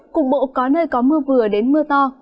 cục bộ có nơi có mưa vừa đến mưa to